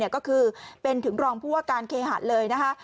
ก็คือเป็นถึงรองผู้ว่าการเคหะเลยนะคะ